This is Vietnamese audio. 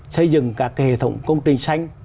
xây dựng các cái hệ thống công trình xanh